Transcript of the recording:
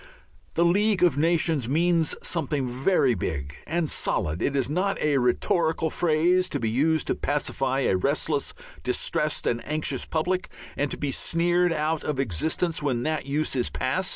The League of Free Nations means something very big and solid; it is not a rhetorical phrase to be used to pacify a restless, distressed, and anxious public, and to be sneered out of existence when that use is past.